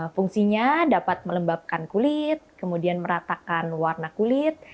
fungsinya dapat melembabkan kulit kemudian meratakan warna kulit